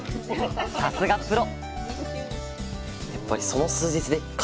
さすがプロ！